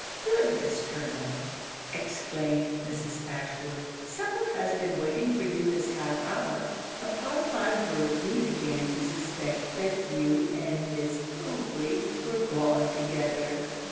'Goodness! colonel,' exclaimed Mrs. Ashwood, 'supper has been waiting for you this half hour. Upon my word we began to suspect that you and Miss Mowbray were gone together.